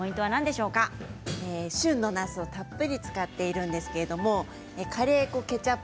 旬のなすをたっぷり使っているんですけれどカレーとケチャップ